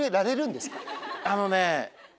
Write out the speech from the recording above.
あのね。